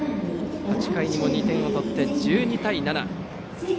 ８回にも２点取って１２対７。